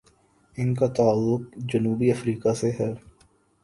ان کا تعلق جنوبی افریقہ سے ہے۔